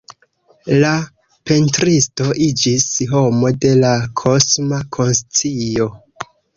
La pentristo iĝis “homo de la kosma konscio.